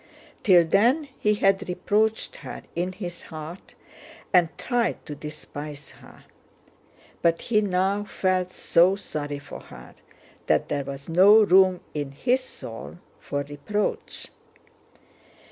Till then he had reproached her in his heart and tried to despise her, but he now felt so sorry for her that there was no room in his soul for reproach.